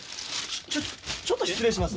ちょっとちょっと失礼します。